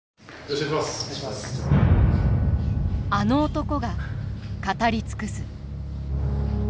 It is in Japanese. あの男が語り尽くす。